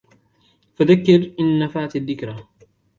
فَذَكِّرْ إِنْ نَفَعَتِ الذِّكْرَى